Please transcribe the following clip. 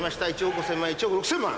１億５，０００万１億６，０００万！